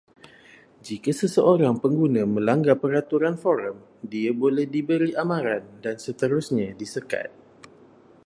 Jika seseorang pengguna melanggar peraturan forum, dia boleh diberi amaran, dan seterusnya disekat